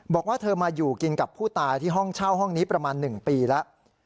บอกว่าเธอมาอยู่กินกับผู้ตายที่ห้องเช่าห้องนี้ประมาณ๑ปีแล้ว